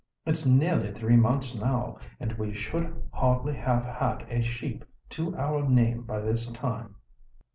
It's nearly three months now, and we should hardly have had a sheep to our name by this time."